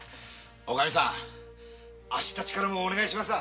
おかみさんアッシたちからもお願いします。